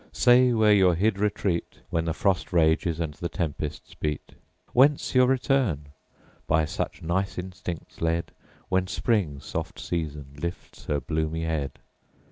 —say where your hid retreat When the frost rages and the tempests beat; Whence your return, by such nice instinct led, When spring, soft season, lifts her bloomy head